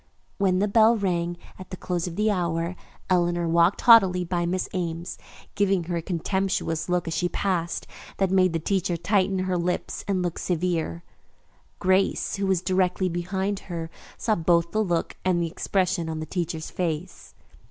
When the bell rang at the close of the hour, Eleanor walked haughtily by Miss Ames, giving her a contemptuous look as she passed that made the teacher tighten her lips and look severe. Grace, who was directly behind her, saw both the look and the expression on the teacher's face.